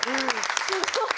すごい！